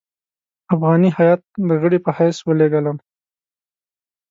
افغاني هیات د غړي په حیث ولېږلم.